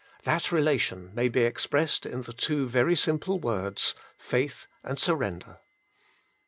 That relation may be expressed in the two very simple words, faith and surrender.